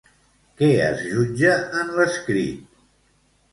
Què es jutja en l'escrit?